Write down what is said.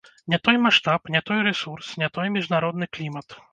Не той маштаб, не той рэсурс, не той міжнародны клімат.